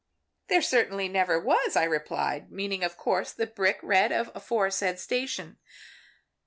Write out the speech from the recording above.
"'There certainly never was,' I replied, meaning of course the brick red of the aforesaid station.